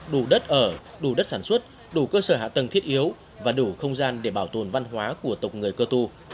đủ đất ở đủ đất sản xuất đủ cơ sở hạ tầng thiết yếu và đủ không gian để bảo tồn văn hóa của tộc người cơ tu